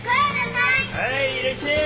はいいらっしゃい。